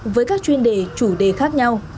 với các chuyên đề chủ đề khác nhau